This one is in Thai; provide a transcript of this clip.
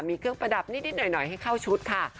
มีเครื่องประดับนิดหน่อยให้เข้าชุดค่ะ